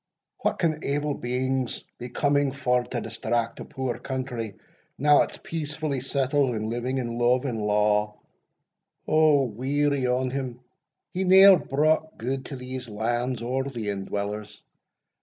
what can evil beings be coming for to distract a poor country, now it's peacefully settled, and living in love and law O weary on him! he ne'er brought gude to these lands or the indwellers.